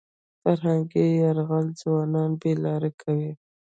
فرهنګي یرغل ځوانان بې لارې کوي.